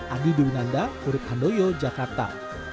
andi dewi nanda kurit andoyo jakarta